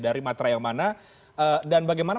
dari matra yang mana dan bagaimana